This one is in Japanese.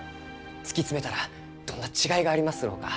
突き詰めたらどんな違いがありますろうか？